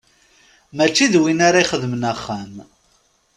Mačči d win ara ixedmen axxam.